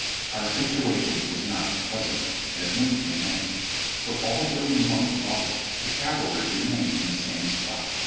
Our situation was not a pleasant one, as may be imagined; but all during the month of August the cavalry remained in the same spot.